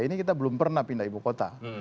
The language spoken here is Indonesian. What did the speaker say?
ini kita belum pernah pindah ibu kota